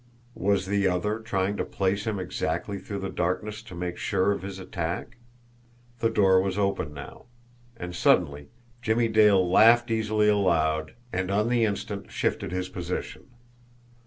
Was the other trying to place him exactly through the darkness to make sure of his attack! The door was open now. And suddenly Jimmie Dale laughed easily aloud and on the instant shifted his position.